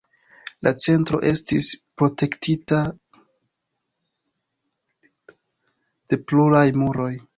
La centro estis protektita de pluraj muroj.